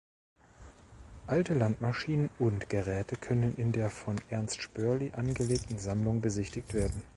Alte Landmaschinen und Geräte können in der von Ernst Spörri angelegten Sammlung besichtigt werden.